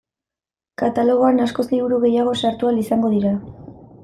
Katalogoan askoz liburu gehiago sartu ahal izango dira.